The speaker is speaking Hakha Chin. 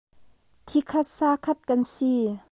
Thikhat sakhat kan si.